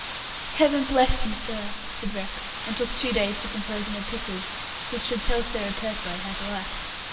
"Heaven bless you, sir,". said Rex, and took two days to compose an epistle which should tell Sarah Purfoy how to act.